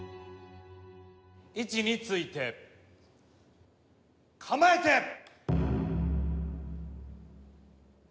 位置について構えて！